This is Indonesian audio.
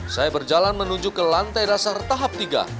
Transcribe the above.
saya berjalan menuju ke lantai dasar tahap tiga